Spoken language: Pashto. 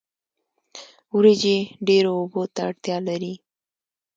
وریجې ډیرو اوبو ته اړتیا لري